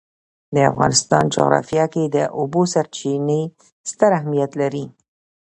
د افغانستان جغرافیه کې د اوبو سرچینې ستر اهمیت لري.